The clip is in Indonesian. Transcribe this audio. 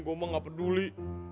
goma gak peduli